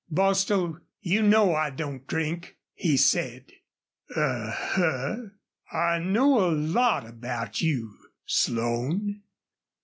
"Bostil, you know I don't drink," he said. "A huh! I know a lot about you, Slone....